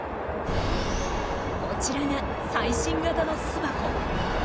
こちらが最新型の巣箱。